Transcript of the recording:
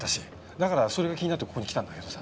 だからそれが気になってここに来たんだけどさ。